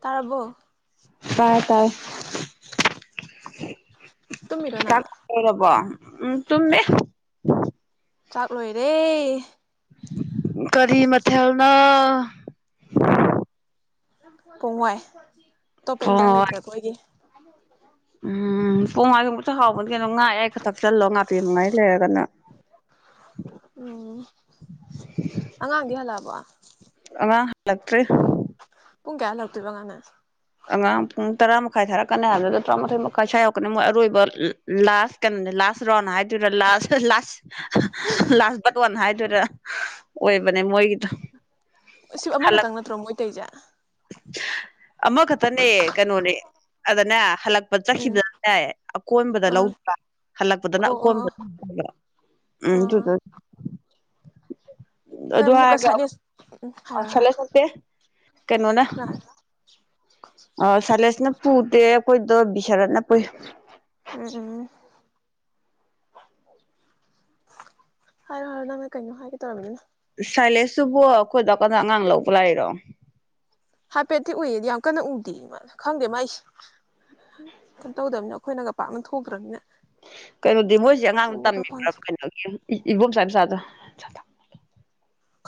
ꯇꯥꯔꯥꯔꯕꯣ ꯇꯥꯏ ꯇꯥꯏ ꯇꯨꯝꯃꯤꯔꯣ ꯀ ꯅꯪ ꯑꯣꯏꯔꯔꯕ ꯎꯝ ꯇꯃꯦ ꯆꯥꯛ ꯂꯣꯏꯔꯦ ꯀꯔꯤ ꯃꯊꯦꯅ ꯄꯉꯥꯏ ꯑꯇꯣꯞꯄ ꯄꯣꯡ ꯏꯟꯖꯥꯡ ꯍꯋꯥꯏ ꯂꯩꯊꯔꯄꯣꯏꯒꯤ ꯍꯦꯣ ꯎꯝ ꯄꯨꯡꯉꯥꯒꯤꯃꯨꯛꯇ ꯍꯥꯎꯕꯅꯤ ꯀꯩꯅꯝ ꯉꯥꯛꯑꯦ ꯈꯛꯇꯛ ꯆꯜꯂꯣ ꯉꯇꯤ ꯅꯨꯡꯉꯥꯏ ꯂꯩꯔꯒꯅ ꯎꯝ ꯑꯉꯥꯡꯗꯤ ꯍꯜꯂꯛꯑꯕ ꯂꯂꯛꯇꯔꯤ ꯄꯨꯡ ꯀꯌꯥ ꯂꯥꯛꯇꯣꯏ ꯉꯅ ꯑꯉꯥꯡ ꯄꯨꯡ ꯇꯔꯥ ꯃꯈꯥꯏ ꯊꯥꯔꯛꯀꯅꯤ ꯍꯥꯏꯕꯗꯨꯗ ꯇꯔꯥꯃꯥꯊꯣꯏ ꯃꯈꯥꯏ ꯁ꯭ꯔꯛꯀꯅꯤ ꯃꯣꯏ ꯑꯔꯣꯏꯕ ꯂꯥꯁ ꯀꯩꯅꯣꯅꯦ ꯂꯥꯁ ꯔꯥꯎꯟ ꯍꯥꯏꯗꯣꯏꯔꯥ ꯂꯥꯁ ꯂꯥꯁ ꯂꯥꯁ ꯕꯇꯣꯟ ꯍꯥꯏꯗꯣꯏꯔꯥ ꯑꯣꯏꯕꯅꯦ ꯃꯣꯏꯒꯤꯗꯣ ꯁꯤ ꯍꯜꯂꯛ ꯑꯃꯈꯛꯇꯪ ꯅꯠꯇ꯭ꯔꯣ ꯃꯣꯏꯇꯩꯁꯦ ꯑꯃꯈꯛꯇꯅꯦ ꯀꯩꯅꯣꯅꯦ ꯑꯗꯅꯦ ꯍꯜꯂꯛꯄ ꯎꯝ ꯆꯠꯈꯤꯕꯗꯅꯦ ꯑꯀꯣꯟꯕꯗ ꯑꯥ ꯂꯧꯗ꯭ꯔꯥ ꯍꯜꯂꯛꯄꯗꯅ ꯑꯣ ꯑꯣ ꯑꯀꯣꯟꯕꯗ ꯑꯣ ꯎꯝ ꯑꯥ ꯀ ꯃꯨꯛꯁꯅꯤ ꯑ ꯁꯂꯦꯁ ꯅꯠꯇꯦ ꯀꯩꯅꯣꯅ ꯀꯅꯥ ꯑ ꯁꯂꯦꯁꯅ ꯗꯦ ꯑꯩꯈꯣꯏꯗꯣ ꯕꯤꯁꯥꯔꯠꯅ ꯄꯨꯏ ꯎꯝ ꯎꯝ ꯍꯥꯏꯔꯣ ꯍꯥꯏꯔꯣ ꯅꯪꯅꯦ ꯀꯩꯅꯣ ꯍꯥꯏꯒꯦ ꯇꯧꯔꯝꯃꯤꯅ ꯁꯥꯏꯂꯦꯁꯇꯕꯨ ꯑꯩꯈꯣꯏ ꯗꯀꯥꯟꯗ ꯑꯉꯥꯡ ꯂꯧꯕ ꯂꯩꯥꯛꯔꯣ ꯍꯥꯏꯄꯦꯇꯤꯛ ꯑꯣꯏꯏꯌꯦꯗꯤ ꯌꯥꯝ ꯀꯟꯅ ꯎꯗꯦ ꯃꯥ ꯈꯪꯗꯦ ꯃꯥ ꯑꯩꯁꯦ ꯀꯩꯅꯣ ꯇꯧꯗꯕꯅ ꯑꯩꯈꯣꯏꯅꯒ ꯄꯥꯛꯅ ꯊꯣꯛꯈ꯭ꯔꯅꯤꯅ ꯀꯩꯅꯣꯗꯤ ꯃꯣꯏꯁꯦ ꯑꯉꯥꯡ ꯇꯝꯃꯤꯕ꯭ꯔ ꯐꯪꯗꯦ ꯀꯩꯅꯣꯒꯤ ꯏꯕꯣꯝꯆꯥꯆꯥ [inaudible]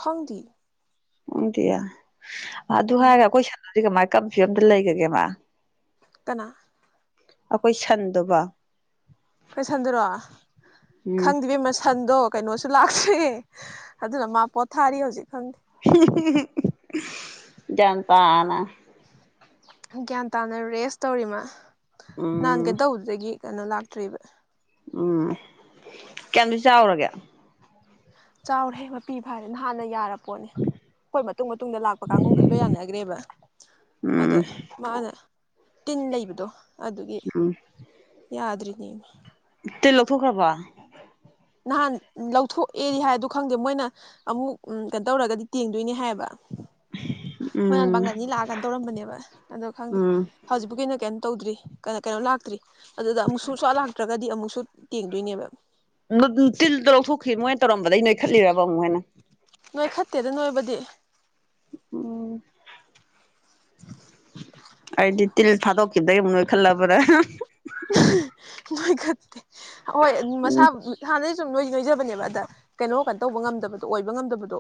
ꯈꯪꯗꯤ ꯎꯗꯤꯌꯥ ꯑꯗꯨ ꯎꯝ ꯍꯥꯏꯔꯒ ꯑꯩꯈꯣꯏ ꯁꯥꯟꯅꯁꯤ ꯀꯃꯥꯏ ꯀꯔꯝꯁꯨꯤ ꯑꯝꯇ ꯂꯩꯒꯒꯦ ꯃꯥ ꯀ ꯑꯩꯈꯣꯏ ꯁꯟꯗꯕ ꯀꯣꯏ ꯁꯟꯗꯔꯣ ꯎꯝ ꯈꯪꯗꯦꯕ ꯃꯁꯟꯗꯣ ꯀꯩꯅꯣꯁꯨ ꯂꯥꯛꯇꯦ ꯑꯗꯨꯅ ꯃꯥ ꯄꯣꯊꯥꯔꯤ ꯍꯧꯖꯤꯛꯪ ꯟꯇꯥꯅ ꯒ꯭ꯌꯥꯟ ꯇꯥꯅ ꯔꯦꯁ ꯇꯧꯔꯤꯃ ꯎꯝ ꯅꯥꯟꯒꯗ ꯍꯗꯒꯤ ꯀꯩꯅꯣ ꯂꯥꯛꯇ꯭ꯔꯤꯕ ꯎꯝ ꯀꯌꯥꯝꯁꯨ ꯆꯥꯎꯔꯒꯦ ꯆꯥꯎꯔꯦꯕ ꯄꯤꯕ ꯍꯥꯏꯔꯦ ꯅꯍꯥꯟꯅ ꯌꯥꯔꯕ ꯄꯣꯠꯅꯤ ꯍꯣꯏ ꯃꯇꯨꯡ ꯃꯇꯨꯡꯗ ꯂꯥꯛꯄ ꯀꯥꯡꯒꯨꯝꯈꯩ ꯂꯣꯏ ꯌꯥꯅꯈ꯭ꯔꯦꯕ ꯎꯝ ꯑꯗꯦ ꯃꯥꯅꯦꯦ ꯇꯤꯟ ꯂꯩꯕꯗꯣ ꯑꯗꯨꯒꯤ ꯎꯝ ꯌꯥꯗ꯭ꯔꯤꯅꯦ [inaudible] ꯇ ꯂꯧꯊꯣꯛꯈ꯭ꯔꯕ ꯅꯍꯥꯟ ꯂꯧꯊꯣꯛꯑꯦꯗꯤ ꯍꯥꯏꯗꯣ ꯈꯪꯗꯦ ꯃꯣꯏꯅ ꯑꯃꯨꯛ ꯀꯩꯅꯣ ꯇꯧꯔꯒꯗꯤ ꯇꯦꯡꯗꯣꯏꯅꯦ ꯍꯥꯏꯌꯦꯕ ꯃꯣꯏꯌꯥꯝ ꯎꯝ ꯄꯥꯡꯒꯜꯅꯤ ꯂꯥꯛꯑꯒꯅ ꯇꯧꯔꯝꯕꯅꯦꯕ ꯑꯗꯣ ꯈꯪꯗꯦ ꯎꯝ ꯍꯧꯖꯤꯛꯄꯨ ꯀꯩꯅꯣ ꯀꯩꯅ ꯇꯧꯗ꯭ꯔꯤ ꯀ ꯀꯩꯅꯣ ꯂꯥꯛꯇ꯭ꯔꯤ ꯑꯗꯨꯗ ꯑꯃꯨꯛ ꯁꯁꯋꯥ ꯂꯥꯛꯇ꯭ꯔꯒꯗꯤ ꯑꯃꯨꯛꯁꯨ ꯇꯦꯡꯗꯣꯏꯅꯦꯕ ꯇꯤꯜ ꯂꯧꯊꯣꯛꯈꯤ ꯃꯣꯏꯅ ꯇꯧꯔ ꯗꯩ ꯅꯣꯏꯈꯠꯂꯤꯔꯕ ꯑꯃꯨꯛ ꯍꯦꯟꯅ ꯅꯣꯏ ꯈꯠꯇꯦꯗ ꯅꯣꯏꯕꯨꯗꯤ ꯑꯣ [unintelligible] ꯑꯩꯗꯤ ꯇꯤꯜ ꯊꯥꯗꯣꯛꯈꯤꯕꯗꯩ ꯑꯃꯨꯛ ꯈꯜꯂ ꯄꯨꯔ ꯅꯣꯏ ꯈꯔꯇ ꯍꯣꯏ ꯃꯁꯥ ꯎꯝ ꯍꯥꯟꯅꯩ ꯁꯨꯝ ꯅꯣꯏ ꯅꯣꯏꯖꯕꯅꯦꯕ ꯑꯗ ꯀꯩꯅꯣ ꯇꯧꯕ ꯉꯝꯗꯕꯗꯣ ꯑꯣꯏꯕ ꯉꯝꯗꯕꯗꯣ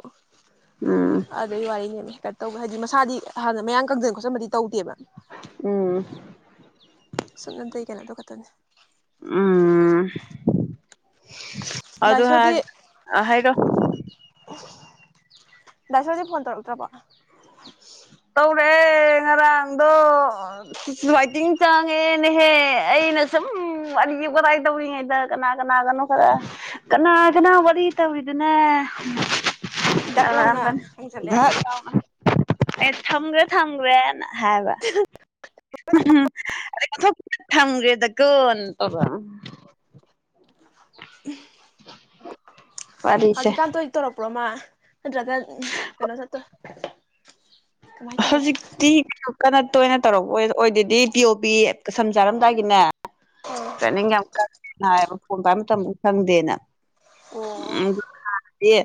ꯎꯝ ꯑꯗ ꯏ ꯋꯥꯔꯤ ꯌꯦ ꯀ ꯇꯧ ꯍꯥꯏꯗꯤ ꯃꯁꯥꯗꯤ ꯍꯥꯟꯅ ꯃꯌꯥꯝ ꯀꯪꯗꯅ ꯈꯣꯠꯆꯟꯕꯗꯤ ꯇꯧꯗꯦꯕ ꯎꯝ ꯁꯨꯞꯅꯇꯩ ꯀꯩꯅꯣꯗꯣ ꯈꯛꯇꯅꯦ ꯑ ꯑꯗ ꯍꯥꯏ ꯗꯥꯏꯁꯣꯗꯤ ꯍꯥꯏꯒ ꯗꯏꯁꯗꯤ ꯐꯣꯟ ꯇꯔꯛ ꯎ ꯇ꯭ꯔꯔꯕ ꯇꯧꯔꯛꯑꯦ ꯉꯔꯥꯡꯗꯣ ꯁꯏꯇꯤꯡ ꯆꯥꯡꯉꯦꯅꯦꯍꯦ ꯑꯩꯅ ꯁꯨꯝ ꯋꯥꯔꯤ ꯋꯥꯇꯥꯏ ꯇꯧꯔꯤꯉꯩꯗ ꯀꯅꯥ ꯀꯅꯥꯒꯅꯣ ꯈꯔ ꯀꯅꯥ ꯀꯅꯥ ꯋꯥꯔꯤ ꯇꯧꯔꯤꯗꯅ ꯗꯛ ꯂꯥꯎꯅ ꯑꯗ ꯍꯪꯖꯜꯂꯛꯑꯦ ꯌꯥ ꯑꯦ ꯊꯝꯒ꯭ꯔꯦ ꯊꯝꯒ꯭ꯔꯦꯅ ꯍꯥꯕ ꯑꯩ ꯊꯝꯒ꯭ꯔꯦꯗ ꯀꯣꯟ ꯋꯥꯔꯤꯁꯦ ꯍꯧꯖꯤꯛꯀꯥꯟꯗꯣ ꯑꯩ ꯇꯧꯔꯛꯄ꯭ꯔꯣꯃ ꯒꯥ ꯀꯣ ꯆꯠꯇ ꯍꯧꯖꯤꯛꯇꯤ ꯀꯅ ꯇ ꯑꯣꯏꯅ ꯇꯧꯔꯛꯄ ꯑꯣꯏ ꯑꯣꯏꯗꯗꯤ ꯄꯤ ꯑꯣꯕꯤ ꯁꯝ ꯆꯥꯔꯝꯗꯥꯏꯒꯤꯅꯦ ꯑꯣ ꯆꯅꯤꯡ ꯀ ꯀꯝꯇ ꯈꯪꯗꯦꯅ ꯑꯣ ꯎꯦ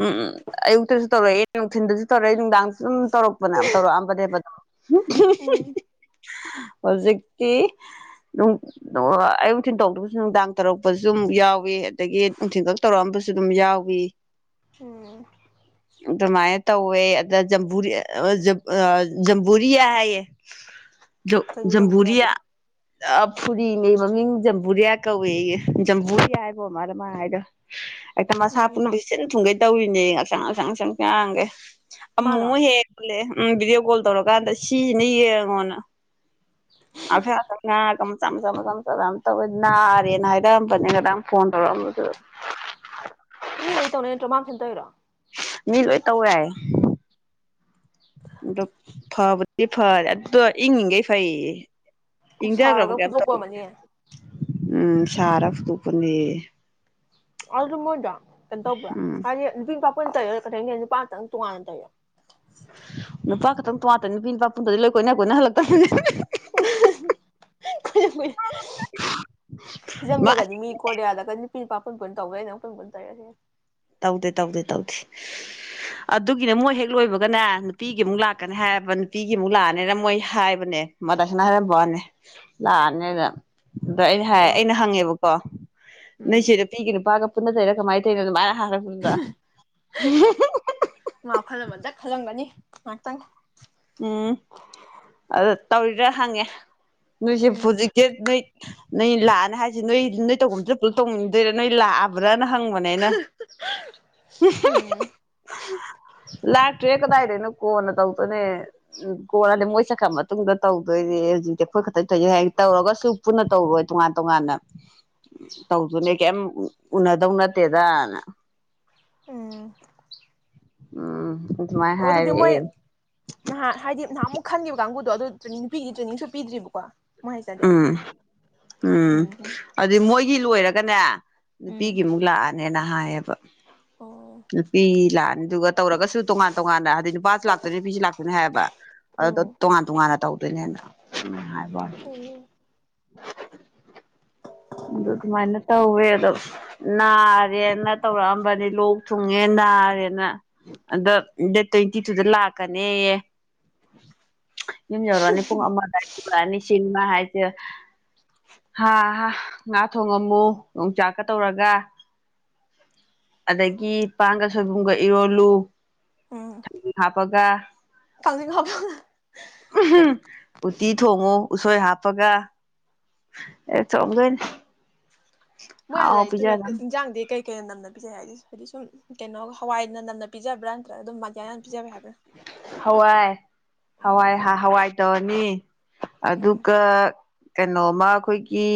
ꯎꯝꯝ ꯑꯌꯨꯛꯇꯁꯨ ꯇꯧꯔꯛꯑꯦ ꯅꯨꯡꯊꯤꯟꯗꯁꯨ ꯇꯧꯔꯛꯦ ꯅꯨꯡꯗꯥꯡꯗꯁꯨ ꯑꯗꯨꯝ ꯇꯧꯔꯛꯄ ꯅ ꯇꯧꯔꯛꯑꯝꯕꯅꯦꯕꯗ ꯍꯧꯖꯤꯛꯇꯤ ꯑꯌꯨꯛ ꯅꯨꯡꯊꯤꯟ ꯇꯧꯗꯕꯁꯨ ꯅꯨꯡꯗꯥꯡ ꯇꯧꯔꯛꯄꯁꯨ ꯑꯗꯨꯝ ꯌꯥꯎꯏꯤ ꯑꯗꯒꯤ ꯅꯨꯡꯊꯤꯟꯜꯈꯛ ꯇꯧꯔꯛꯑꯝꯕꯁꯨ ꯑꯗꯨꯝ ꯌꯥꯎꯏ ꯎꯝ ꯑꯗꯨꯃꯥꯏꯅ ꯇꯧꯋꯦ ꯑꯗ ꯖꯝꯕꯨꯨꯔꯤ ꯑꯣ ꯝꯕꯨꯨꯔꯤꯌꯥ ꯍꯥꯏꯌꯦ ꯀꯩꯅꯣ ꯖꯝꯕꯨ ꯌꯥꯗꯦ ꯝꯍꯨꯔꯤꯌꯥ ꯑ ꯐꯨꯔꯤꯅꯦ ꯃꯃꯤꯡ ꯖꯝꯕꯨꯔꯤꯌꯥ ꯀꯧꯏꯦ ꯖꯝꯕꯨꯔꯤꯌꯥ ꯍꯥꯏꯕꯣ ꯃꯥꯗ ꯃꯥ ꯍꯥꯏꯔꯣ ꯑꯦꯛꯇ ꯎꯝ ꯃꯁꯥꯄꯨꯅꯁ ꯊꯨꯡꯒꯦ ꯇꯧꯏꯅꯦ ꯉꯁꯥꯡ ꯉꯁꯥꯡꯁꯪꯁꯥꯡꯒꯦ ꯑꯃꯨ ꯃꯥꯔꯣ ꯍꯦ ꯎꯝ ꯚꯗꯤꯑꯣ ꯀꯣꯜ ꯇꯧꯔꯀꯥꯟꯗ ꯁꯤꯁꯤꯅꯤꯌꯦ ꯑꯩꯡꯉꯣꯟꯅ ꯑꯐ ꯀ ꯆ ꯇꯕꯨ ꯅꯅꯥꯔꯦ ꯅ ꯍꯥꯏꯔ ꯐꯅꯤ ꯀ ꯐꯣꯟꯔ ꯃꯤ ꯂꯣꯏ ꯇꯧꯅ꯭ꯔꯣꯃ ꯐ ꯭ꯔꯥ ꯃꯤ ꯂꯣꯏ ꯇꯧꯋꯦ ꯑꯗꯣ ꯐꯕꯗꯤ ꯐꯔꯦ ꯑꯗꯨꯗꯣ ꯏꯪꯉꯤꯈꯩ ꯐꯩꯌꯦ ꯏꯪꯗ ꯀꯃ ꯁꯥꯔꯒ ꯀ ꯇ ꯐꯨꯗꯣꯛꯄ ꯑꯃꯅꯤ ꯎꯝ ꯁꯔ ꯐ ꯇꯀꯅꯤ ꯑ ꯃꯣꯏꯗ ꯀꯟꯇꯣꯕ꯭ꯔꯥ ꯎꯝ ꯅꯕꯤꯟ ꯄꯥꯄ ꯑꯩꯈꯣꯏ ꯇꯧꯔꯣ ꯀꯪ ꯅꯨꯄꯥꯇꯪ ꯇꯣꯉꯥꯟꯅ ꯇꯧꯌꯣ ꯅꯨꯄꯥ ꯈꯛꯇꯪ ꯄꯠꯇꯅꯤ ꯅꯨꯄꯤ ꯅꯨꯄꯥ ꯄꯨꯟꯗꯗꯤ ꯂꯣꯏꯈꯣꯏ ꯅ ꯑꯩꯈꯣꯏꯅ ꯍꯜꯂꯛꯇꯕꯅꯤꯅꯦ ꯃꯥ ꯐꯤꯖꯝꯂꯒꯅꯤ ꯃꯤ ꯀꯣꯌꯥꯜꯂꯒꯅꯤ ꯅꯨꯄꯤ ꯅꯨꯄꯥ ꯐꯨꯟ ꯄꯨꯣꯏꯟ ꯇꯧꯒꯦ ꯅꯪ ꯐꯣꯏ ꯄꯨꯣꯏ ꯇꯥꯏꯔꯁꯦ ꯇꯧꯗꯦ ꯇꯧꯗꯦ ꯇꯧꯗꯦ ꯑꯗꯨꯒꯤꯅ ꯃꯣꯏ ꯍꯦꯛ ꯂꯣꯏꯕꯒꯅꯦ ꯅꯨꯄꯤꯒꯤ ꯑꯃꯨꯛ ꯂꯥꯛꯀꯅꯤ ꯍꯥꯏꯔꯕ ꯅꯨꯄꯤꯒꯤ ꯑꯃꯨꯛ ꯂꯥꯛꯑꯅꯤꯅ ꯃꯣꯏ ꯍꯥꯏꯕꯅꯦ ꯃꯗꯥꯁꯤꯅ ꯍꯥꯏꯔꯝꯕꯅꯦ ꯂꯥꯛꯑꯅꯤꯔ ꯑꯗꯣ ꯑꯩꯩꯅ ꯍꯥꯏ ꯑꯣ ꯑꯩꯅ ꯍꯪꯉꯦꯕꯀꯣ ꯅꯣꯏꯁꯦ ꯎꯝ ꯅꯨꯄꯤꯒꯤ ꯅꯨꯄꯥꯒ ꯄꯨꯟꯅ ꯆꯩꯔꯛ ꯉꯥꯏ ꯇ ꯈꯔꯗ ꯃ ꯇꯪꯒ ꯎꯝ ꯑ ꯇꯧꯔꯤꯔꯥ ꯍꯪꯉꯦ ꯅꯣꯏ ꯁꯤ ꯎꯝ ꯄꯨꯖꯤ ꯀꯦ ꯅꯣꯏ ꯅꯣꯏ ꯂꯥꯛꯑꯅꯤ ꯍꯥꯏꯁꯤꯦ ꯅꯣꯏ ꯅꯣꯏ ꯇꯧꯐꯝꯁꯤ ꯄꯨꯂꯞ ꯇꯧꯅꯤꯡꯗꯣꯏꯔꯥ ꯅꯣꯏ ꯂꯥꯛꯑꯕ꯭ꯔꯥ ꯍꯪꯕꯅꯦꯅ ꯎꯝ ꯂꯇ꯭ꯔꯦ ꯗꯥꯏꯔꯦ ꯅ ꯀꯣꯟ ꯇꯧꯅꯦ ꯎꯝ ꯀꯣꯂꯗꯤ ꯃꯣꯏ ꯁꯠꯈ꯭ꯔ ꯃꯇꯨꯡꯗ ꯇꯧꯗꯣꯏꯅꯦ ꯍꯧꯖꯤꯛꯇꯤ ꯑꯩꯈꯣꯏ ꯈꯛꯇꯪ ꯊꯣꯏꯖꯩ ꯍꯥꯏ ꯇꯧꯔꯒꯁꯨ ꯄꯨꯟꯅ ꯇꯧꯔꯣꯏ ꯇꯣꯉꯥꯟ ꯇꯣꯉꯥꯟꯅ ꯇꯧꯗꯨꯅꯦ ꯀꯩꯝ ꯎꯅꯗꯧ ꯅꯠꯇꯦꯗꯅ ꯎꯝ ꯑꯝ ꯑꯣ ꯑꯗꯨꯗꯤ ꯃꯣꯏ ꯅꯍꯥꯟ ꯍꯥꯏꯗꯤ ꯅꯍꯥꯟ ꯑꯃꯨꯛ ꯈꯟꯈꯤꯕ ꯀꯥꯡꯕꯨ ꯑ ꯅꯨꯒꯤ ꯆꯨꯅꯤꯡꯁꯨ ꯄꯤꯗ꯭ꯔꯤꯕꯀꯣ ꯃꯣꯏ ꯍꯥꯏꯁꯤꯅꯗꯤ ꯎꯝ ꯎꯝ ꯑꯗꯨꯗꯤ ꯃꯣꯏꯒꯤ ꯂꯣꯏꯔ ꯀꯅ ꯎꯝ ꯅꯨꯄꯤꯒꯤꯃꯨꯛ ꯂꯥꯛꯑꯅꯤꯅ ꯅꯍꯑꯕ ꯑꯣ ꯅꯨꯄꯤ ꯂꯥꯛꯑꯅꯤꯗꯨꯒ ꯇꯧꯔꯒꯁꯨ ꯇꯣꯉꯥꯟ ꯇꯣꯉꯥꯟꯅ ꯍꯥꯏꯗꯤ ꯅꯨꯄꯥꯁꯨ ꯂꯥꯛꯇꯣꯏꯅꯤ ꯅꯨꯄꯤꯁꯨ ꯂꯥꯛꯇꯣꯏꯅꯦ ꯍꯥꯏꯕ ꯑꯗꯨꯗ ꯎꯝ ꯇꯣꯉꯥꯟ ꯇꯣꯉꯥꯟꯅ ꯇꯧ ꯄꯨꯅꯦꯅ ꯅꯍꯥꯏꯕ ꯄꯨꯉ ꯑ ꯑꯗꯨꯃꯥꯏꯅ ꯇꯧꯋꯦ ꯑꯗꯣ ꯅꯥꯔꯦꯅ ꯇꯧꯔꯛꯑꯝꯕꯅꯤ ꯂꯣꯛ ꯊꯨꯡꯉꯦ ꯅꯥꯔꯦꯅ ꯑꯗ ꯗꯦꯠ ꯇ꯭ꯋꯦꯟꯇꯤ ꯇꯨꯗ ꯂꯥꯛꯀꯅꯦꯌꯦ ꯌꯨꯝ ꯌꯧꯔꯛꯑꯅꯤ ꯄꯨꯡ ꯑꯃꯗ ꯄꯨꯔꯛꯑꯅꯤ ꯁꯤꯃ ꯍꯥꯏ ꯍꯥꯥ ꯍꯥ ꯉꯥ ꯊꯣꯡꯉꯝꯃꯨ ꯌꯣꯡꯆꯥꯛꯀ ꯇꯧꯔꯒ ꯑꯗꯒꯤ ꯄꯥꯡꯒ ꯁꯣꯏꯕꯨꯝꯒ ꯏꯔꯣꯜꯂꯨ ꯍꯥꯥꯄꯒ ꯀꯥꯡꯖꯤꯡ ꯍꯥꯞꯄ ꯎꯇꯤ ꯊꯣꯡꯉꯣ ꯎꯁꯣꯏ ꯍꯥꯞꯄꯒ ꯑꯦ ꯆꯣꯡꯒꯣꯏꯅꯦ ꯃꯣꯏ ꯑꯗꯇꯗ ꯏꯟꯖꯥꯡꯗꯤ ꯀꯩ ꯀꯩꯅꯣ ꯅꯝꯅ ꯄꯤꯖꯩ ꯍꯥꯏ ꯍꯥꯏꯗꯤ ꯁꯨꯝ ꯀꯩꯅꯣ ꯍꯋꯥꯏꯅ ꯅꯝꯅ ꯄꯤꯖꯕ꯭ꯔꯥ ꯅꯠꯇ꯭ꯔꯒ ꯑꯗꯨꯝ ꯃꯌꯥꯅ ꯄꯤꯖꯕ꯭ꯔꯥ ꯍꯥꯏꯕ꯭ꯔꯥ ꯍꯋꯥꯏ ꯎꯝ ꯍꯋꯥꯏ ꯍꯋꯥꯏ ꯇꯧꯔꯅꯤ ꯎꯝ ꯑꯗꯨꯒ ꯀꯩꯅꯣꯃ ꯑꯩꯈꯣꯏꯒꯤ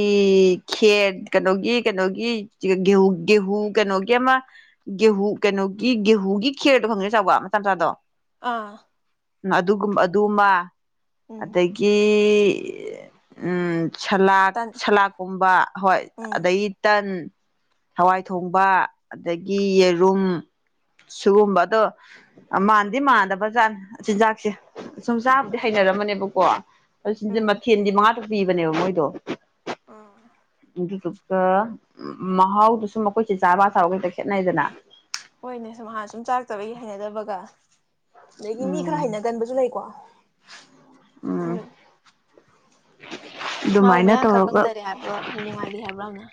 ꯈꯦꯔ ꯀꯩꯅꯣꯒꯤ ꯀꯩꯅꯣꯒꯤ ꯒꯦꯍꯨ ꯒꯦꯍꯨ ꯀꯩꯅꯣꯒꯤ ꯑꯃ ꯒꯦꯍꯨ ꯀꯩꯅꯣꯒꯤ ꯒꯦꯍꯨꯒꯤ ꯈꯦꯔꯗꯣ ꯈꯪꯒꯅꯤ ꯆꯥꯎꯕ ꯃꯆꯥ ꯃꯆꯥꯗꯣ ꯑꯥ ꯎ ꯑꯗꯨꯒꯨꯝ ꯑꯗꯨꯃ ꯎꯝ ꯑꯇꯩꯗꯒꯤ ꯎꯝ ꯁꯂꯥꯗ ꯇꯟ ꯁꯂꯥꯗꯀꯨꯝꯕ ꯍꯣꯏ ꯎꯝ ꯑꯗꯗꯒꯤ ꯇꯟ ꯍꯋꯥꯏ ꯊꯣꯡꯕ ꯑꯗꯒꯤ ꯌꯦꯔꯨꯝ ꯁꯤꯒꯨꯝꯕ ꯑꯗꯣ ꯑꯃ ꯑꯗꯨꯗꯤ ꯃꯥꯟꯗꯕꯥꯖꯥꯠꯅꯦ ꯆꯤꯟꯖꯥꯛꯁꯦ ꯁꯨꯝ ꯆꯥꯕꯨꯗꯤ ꯍꯩꯅꯅꯔꯝꯃꯅꯦꯕ ꯀꯣ ꯑꯗꯨ ꯁꯤꯁ ꯎꯝ ꯃꯊꯦꯜꯗꯤ ꯃꯉꯥꯗ ꯄꯤꯕꯅꯦꯕ ꯃꯣꯏꯗꯣ ꯑꯣ ꯑꯗꯨꯗꯨꯒ ꯃꯍꯥꯎꯗꯨꯁꯨꯨꯝ ꯃꯈꯣꯏꯁꯦ ꯆꯥꯕ ꯊꯥꯕꯒꯩꯛꯇ ꯈꯦꯠꯅꯩꯗꯅ ꯍꯣꯏꯅꯦ ꯁꯨꯝ ꯍꯥꯟꯅ ꯁꯨꯝ ꯆꯥꯔꯛꯇꯕꯒꯤ ꯍꯩꯅꯗꯕꯒ ꯑꯗꯒꯤ ꯃꯤ ꯎꯝ ꯈꯔ ꯍꯩꯅꯒꯟꯕꯁꯨ ꯂꯩꯀꯣ ꯎꯝ ꯎ ꯃꯥꯕꯨ ꯃꯌꯥꯌꯥꯝꯈꯛ ꯀꯪꯗꯔꯦ ꯍꯥꯏꯕ꯭ꯔꯣ ꯌꯥꯝ ꯅꯨꯡꯉꯥꯏꯔꯤ ꯍꯥꯏꯕ꯭ꯔꯣꯅ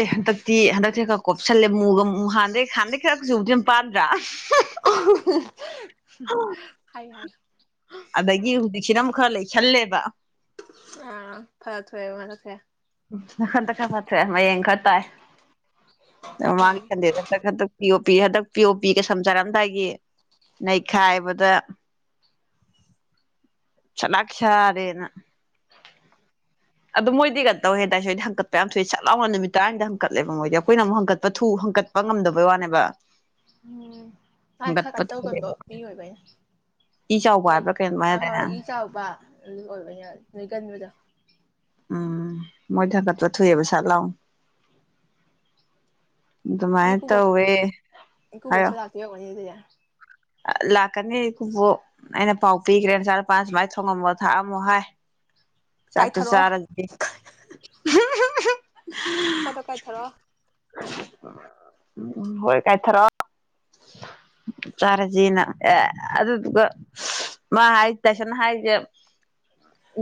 ꯑꯦ ꯍꯟꯗꯛꯇꯤ ꯍꯟꯗꯛꯇꯤ ꯀꯣꯞꯁꯜꯂꯦ ꯃꯨꯒ ꯍꯥꯟꯗꯩ ꯍꯥꯟꯗꯩ ꯈꯔꯛꯁꯨꯕꯨꯗꯤꯝ ꯄꯥꯗ꯭ꯔꯥ ꯍꯥꯏ ꯍꯥꯏ ꯑꯗꯒꯤ ꯍꯧꯖꯤꯛꯁꯤꯤꯔ ꯈꯔ ꯂꯩꯁꯜꯂꯦꯕ ꯑꯥ ꯐꯔ ꯊ ꯃꯅ ꯊꯌꯥ ꯍꯟꯇꯛ ꯈꯔ ꯐꯠꯇ꯭ꯔꯦ ꯃꯌꯦꯡ ꯈꯔ ꯇꯥꯏ ꯃꯃꯥꯡꯒꯤ ꯁꯟꯗꯦꯗ ꯍꯟꯇꯛ ꯍꯟꯇꯛ ꯄꯤꯌꯣ ꯄꯤ ꯍꯟꯇꯛ ꯄꯤꯌꯣ ꯄꯤ ꯀ ꯁꯝ ꯆꯥꯔꯝꯗꯥꯏꯒꯤ ꯅꯩꯈꯥꯏꯕꯗ ꯆꯂ ꯈꯔꯦꯅ ꯑꯗꯨꯣ ꯃꯣꯏꯗꯤꯒ ꯇꯧꯋꯦ ꯍꯥꯏꯗꯥꯏ ꯁꯏꯗꯤ ꯍꯪꯀꯠꯄ ꯌꯥꯝ ꯊꯣꯛꯨꯏ ꯆꯥꯛ ꯂꯥꯎꯅ ꯅꯨꯃꯤꯠ ꯇꯔꯥꯅꯤꯗ ꯍꯪꯀꯠꯂꯦꯕ ꯃꯣꯏꯗꯤ ꯑꯩꯈꯣꯏꯅ ꯑꯃꯨꯛ ꯍꯟꯀꯠꯄ ꯊꯨ ꯍꯟꯀꯠꯄ ꯉꯝꯗꯕꯩ ꯋꯥꯅꯦꯕ ꯉꯥꯏ ꯈꯔ ꯍꯪꯒꯠꯄ ꯀ ꯊꯨꯗꯦ ꯇꯧꯒꯟꯕꯣ ꯃꯤ ꯑꯣꯏꯕꯅꯦ ꯏ ꯆꯥꯎꯕ ꯅꯣꯏ ꯍꯥꯏꯕ꯭ꯔꯥ ꯀꯩꯅꯣꯃꯥꯏ ꯍꯥꯏꯗꯥꯏꯅꯦ ꯑꯍꯣꯏ ꯏ ꯆꯥꯎꯕ ꯑꯗꯨ ꯑꯣꯏꯕꯅꯦ ꯅꯣꯏꯒꯟꯕꯗꯣ ꯎꯝ ꯃꯣꯏ ꯊꯒꯠ ꯄ ꯊꯣꯏꯏꯌꯦꯕ ꯆꯠ ꯂꯥꯎ ꯑꯗꯨꯃꯥꯏꯅ ꯨꯕꯣꯛꯁ ꯇꯧꯋꯦ ꯏꯨꯕꯣꯛꯁꯨ ꯂꯥꯛꯇ ꯌꯥꯕꯅꯤꯗ [unintelligible] ꯂꯥꯛꯀꯅꯤꯕꯨ ꯑꯩꯅ ꯄꯥꯎ ꯄꯤꯈ꯭ꯔꯦ ꯅ ꯆꯨꯄꯥꯥꯟ ꯁꯨꯃꯥꯏꯅ ꯊꯣꯡꯉꯝꯃꯣ ꯊꯥꯛꯑꯝꯃꯣ ꯍꯥꯏ ꯆꯥꯛꯇꯨ ꯀꯥꯏꯊꯔꯛꯑꯣ ꯁꯔ ꯐꯇꯣ ꯀꯥꯏ ꯇꯔꯣ ꯍꯣꯏ ꯀꯥꯏ ꯊꯔ ꯆꯥꯔꯁꯤꯦꯅ ꯑꯦ ꯑꯗꯨꯗꯨꯒ ꯃꯥ ꯍꯥꯏ ꯇꯥꯏꯁꯟ ꯍꯥꯏꯔꯤꯁꯦ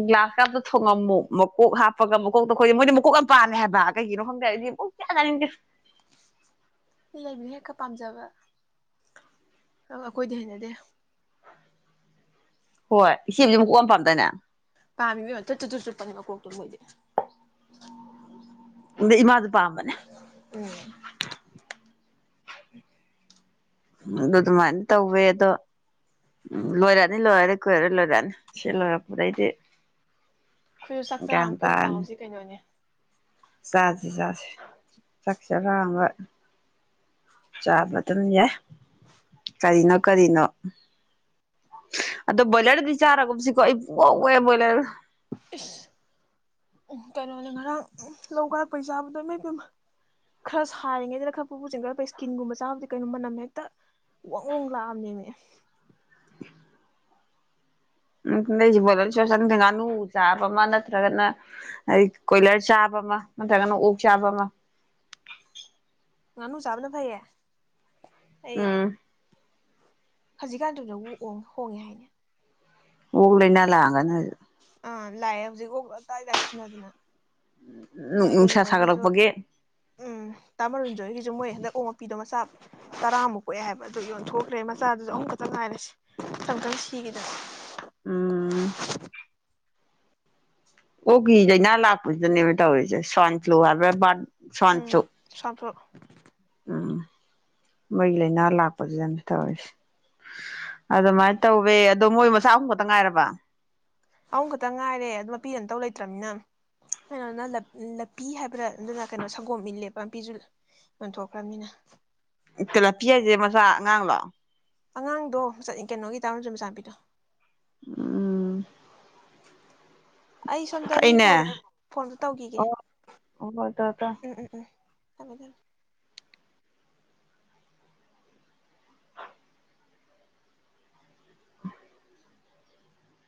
ꯒ꯭ꯂꯥꯁ ꯀꯥꯞꯇ ꯊꯣꯡꯉꯝꯃꯨ ꯃꯀꯣꯛ ꯍꯥꯞꯄꯒ ꯃꯀꯣꯛꯇ ꯈꯣꯏꯦ ꯃꯣꯏꯗꯤ ꯃꯀꯣꯛ ꯌꯥꯝ ꯄꯥꯜꯂꯦ ꯍꯥꯏꯕ ꯀꯩꯒꯤꯅꯣ ꯈꯪꯗ꯭ꯔꯦ ꯑꯩꯗꯤ ꯃꯣꯛ ꯆꯅꯤꯡꯗꯦ ꯏ ꯂꯩꯕꯅ ꯍꯦꯛꯀ ꯄꯥꯝꯖꯕ ꯑ ꯑꯩꯈꯣꯏꯗꯤ ꯍꯩꯅꯗꯦ ꯍꯣꯏ ꯏꯆꯁꯤꯡꯁꯨ ꯑꯃꯨꯛ ꯀꯣꯛꯝ ꯄꯥꯝꯗꯅꯦ ꯑꯃꯤ ꯆꯗꯨꯁꯨꯄꯅꯤ ꯀꯣꯛꯛꯇ ꯃꯩꯗꯤꯦ ꯑ ꯏꯃꯥꯗꯨ ꯄꯥꯝꯕꯅꯦ ꯎꯝ ꯎ ꯑꯗꯨ ꯑꯗꯨꯃꯥꯏꯅ ꯇꯧꯋꯦ ꯑꯗꯣ ꯎ ꯂꯣꯏꯔꯛꯅꯤ ꯂꯣꯏꯔꯅꯤ ꯀꯣꯏꯔꯔ ꯂꯣꯏꯔꯛꯑꯅꯤ ꯁꯤ ꯂꯣꯏꯔꯛꯄꯗꯩꯗꯤ ꯈꯨꯔꯨ ꯆꯥꯛ ꯆꯔꯥ ꯑꯃ ꯒ꯭ꯌꯥꯟ ꯄꯨꯟꯅ ꯇꯥꯔꯅꯤ ꯆꯥꯛꯍꯁꯤ ꯀꯩꯅꯣꯅꯦ ꯆꯥꯁꯤ ꯆꯥꯁꯦ ꯆꯥꯛꯁꯦꯔꯥꯡꯕ ꯆꯥꯕ ꯑꯗꯨꯝ ꯌꯥꯏ [inaudible] ꯀꯔꯤꯅꯣ ꯀꯔꯤꯅꯣ ꯑꯗꯣ ꯕ꯭ꯔꯣꯏꯂꯔꯗꯤ ꯆꯥꯔꯒꯨꯝꯕꯁꯤꯀꯣ ꯑꯩ ꯄꯋꯦ ꯕꯣꯏꯂꯔ ꯏꯁꯁ ꯎꯝ ꯀꯩꯅꯣꯅꯦ ꯉꯔꯥꯡ ꯂꯧ ꯀꯠꯂꯛꯄꯩ ꯆꯥꯕꯗꯣ ꯏꯃꯩ ꯈꯔ ꯁꯥꯔꯤꯉꯩꯗꯅ ꯈꯔ ꯄꯨ ꯄꯨ ꯆꯦꯟꯒꯠꯂꯛꯄꯩ ꯏꯁꯀꯤꯟꯒꯨꯝꯕ ꯆꯥꯕꯗꯤ ꯀꯩꯅꯣ ꯃꯅꯝ ꯍꯦꯛꯇ ꯋꯥꯡꯋꯣꯡ ꯂꯥꯛꯑꯝꯅꯦ ꯎꯝꯗꯩꯁꯦ ꯕꯣꯇꯜ ꯁꯁꯟꯗ ꯉꯥꯅꯨ ꯆꯥꯕ ꯑꯃ ꯅꯠꯇ꯭ꯔꯒꯅ ꯀꯣꯏꯂꯔ ꯆꯥꯕ ꯑꯃ ꯅꯠꯇ꯭ꯔꯒꯅ ꯑꯣꯛ ꯆꯥꯕ ꯑꯃ ꯃꯥꯅꯨ ꯆꯥꯕꯅ ꯐꯩꯌꯦ ꯑꯝ ꯍꯧꯖꯤꯛꯀꯥꯟꯗꯨꯗꯕꯨꯣꯡ ꯍꯣꯡꯉꯦ ꯍꯥꯏꯅꯤ ꯎ ꯂꯩꯅ ꯂꯥꯛꯑꯒ ꯑꯥ ꯂꯥꯛꯑꯦ ꯍꯧꯖꯤꯛꯐꯥꯎ ꯑꯇꯥꯏ ꯇꯥꯏꯁꯤꯟꯅꯗꯅ ꯃꯣꯏ ꯀꯩꯅꯣ ꯅꯨꯡꯁꯥ ꯍꯣꯏꯒꯤꯁꯨ ꯁꯥꯒꯠꯂꯛꯄꯒꯤ ꯎꯝ ꯇꯥꯃꯔꯨꯟꯖ ꯍꯒꯤꯁꯨ ꯃꯣꯏ ꯍꯟꯗꯛ ꯑꯣ ꯃꯄꯤꯗꯣ ꯃꯆꯥ ꯇꯔꯥꯃꯨꯛ ꯀꯣꯛꯑꯦ ꯍꯥꯏꯕ ꯑꯗꯨ ꯌꯣꯟꯊꯣꯛꯈ꯭ꯔꯦ ꯃꯆꯥꯗꯨꯁꯨ ꯑꯃꯨꯛ ꯈꯛꯇꯪ ꯉꯥꯏꯔꯦ ꯏꯪꯇꯪ ꯁꯤꯈꯤꯗꯅ ꯎꯝ ꯑꯣꯒꯤꯗꯩꯅ ꯂꯥꯛꯄꯁꯤꯗꯅꯦꯕ ꯇꯧꯔꯤꯁꯦ ꯁ꯭ꯋꯥꯏꯟ ꯐ꯭ꯂꯨ ꯍꯥꯏꯕꯕꯥ ꯎꯝ ꯁ ꯃꯣꯏ ꯂꯥꯏꯅꯥ ꯂꯥꯛꯄꯁꯤꯗ ꯑꯗꯨ ꯇꯧꯋꯁꯦ ꯑꯗꯨꯗ ꯃꯥꯥꯏ ꯇꯧꯋꯦ ꯑꯗꯣ ꯃꯣꯏ ꯃꯆꯥ ꯑꯍꯨꯝ ꯈꯛꯇ ꯉꯥꯏꯔꯕ ꯑꯍꯨꯝ ꯈꯛꯇ ꯉꯥꯏꯔꯦ ꯑꯗꯨ ꯃꯄꯤꯗ ꯑꯇꯧ ꯂꯩꯇ꯭ꯔꯅꯤꯅ ꯀꯩꯅꯣꯅ ꯂꯄꯤ ꯍꯥꯏꯕ꯭ꯔꯥ ꯑꯗꯨꯅ ꯀꯩꯅꯣ ꯁꯪꯒꯣꯝ ꯏꯜꯂꯦꯕ ꯃꯄꯤꯁꯨ ꯌꯣꯟꯊꯣꯛꯈ꯭ꯔꯕꯅꯤꯅ ꯂꯄꯤ ꯍꯥꯏꯁꯦ ꯃꯆꯥ ꯑꯉꯥꯡꯂꯣ ꯑꯉꯥꯡꯗꯣ ꯆꯠꯅꯤ ꯀꯩꯅꯣꯒꯤ ꯇꯥꯔꯁꯨ ꯃꯆꯥꯄꯤꯗꯣ ꯎꯝ ꯑꯩ ꯁꯣꯝꯗ ꯃꯤ ꯐꯩꯅꯦ ꯀꯧꯔꯛꯑꯦ ꯐꯣꯟꯗꯣ ꯇꯧꯈꯤꯒꯦ ꯑꯣ ꯍꯣꯏ ꯇꯧꯔꯣ ꯇꯧꯔꯣ ꯎꯝ ꯎꯝ ꯎꯝ ꯊꯃꯦ ꯊꯝ [unintelligible]